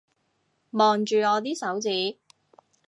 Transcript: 望住我啲手指